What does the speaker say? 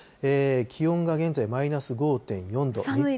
気温が現在マイナス５．４度。